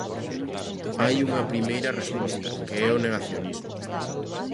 Hai unha primeira resposta, que é o negacionismo.